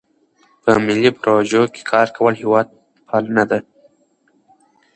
په ملي پروژو کې کار کول هیوادپالنه ده.